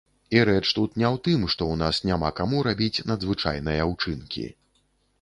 І рэч тут не ў тым, што ў нас няма каму рабіць надзвычайныя ўчынкі.